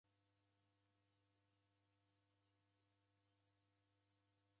Waw'eseria anyaja jela.